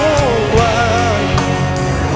ยังเพราะความสำคัญ